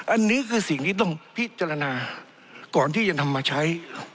อันนี้คือสิ่งที่ต้องพิจารณาก่อนที่จะนำมาใช้